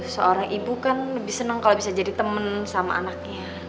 seorang ibu kan lebih senang kalau bisa jadi teman sama anaknya